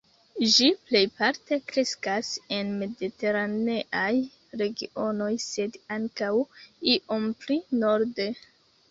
Ĝi plejparte kreskas en Mediteraneaj regionoj, sed ankaŭ iom pli norde.